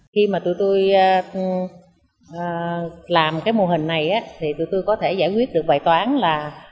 khi mà tụi tôi làm cái mô hình này thì tụi tôi có thể giải quyết được bài toán là